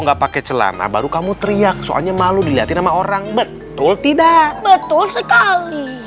enggak pakai celana baru kamu teriak soalnya malu dilihatin sama orang betul tidak betul sekali